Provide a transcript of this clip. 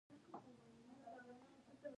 که چېرې کارګران هره ورځ اته ساعته کار وکړي